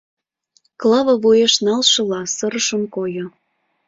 — Клава вуеш налшыла сырышын койо.